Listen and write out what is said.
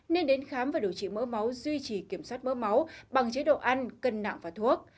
nên đến khám và điều trị mỡ máu duy trì kiểm soát mỡ máu bằng chế độ ăn cân nặng và thuốc